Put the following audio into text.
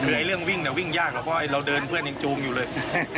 คือเรื่องวิ่งวิ่งยากเราเดินเพื่อนยังจูงอยู่เลย